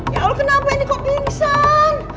ya allah kenapa ini kok pingsan